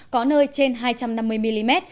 có nơi trên hai trăm năm mươi mm